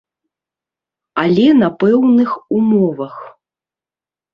Але на пэўных умовах.